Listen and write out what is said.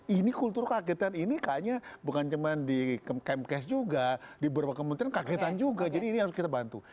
ini kultur kagetan ini kayaknya bukan cuma di kmks juga di beberapa kementerian kagetan juga jadi ini harus kita bantu